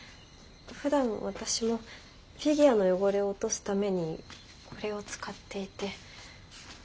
ふだん私もフィギュアの汚れを落とすためにこれを使っていて。